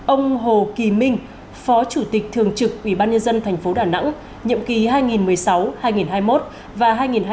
ông hồ kỳ minh phó chủ tịch thường trực ủy ban nhân dân thành phố đà nẵng nhiệm kỳ hai nghìn một mươi sáu hai nghìn hai mươi một và hai nghìn hai mươi một hai nghìn hai mươi sáu